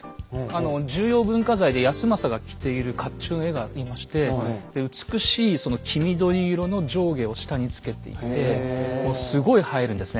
重要文化財で康政が着ている甲冑の絵がありまして美しいその黄緑色の上下を下につけていてもうすごい映えるんですね。